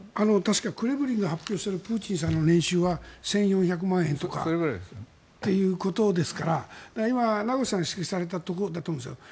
クレムリンが発表しているプーチン大統領の年収は１４００万円ぐらいということですから今、名越さんが指摘されたことだと思うんです。